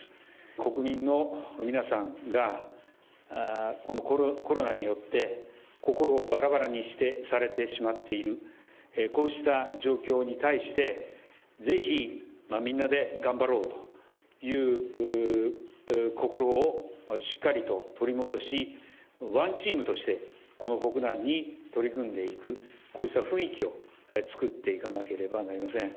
国民の皆さんが、コロナによって、心をばらばらにされてしまっている、こうした状況に対して、ぜひみんなで頑張ろうという心をしっかりと取り戻し、ワンチームとして、この国難に取り組んでいく、こうした雰囲気を作っていかなければなりません。